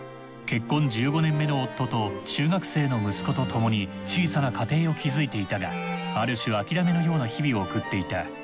結婚１５年目の夫と中学生の息子とともに小さな家庭を築いていたがある種諦めのような日々を送っていた。